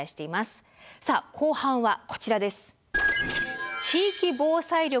さあ後半はこちらです。